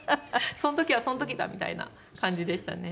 その時はその時だみたいな感じでしたね。